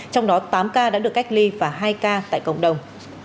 trong đó tám ca đã được cách ly và hai ca tại cộng đồng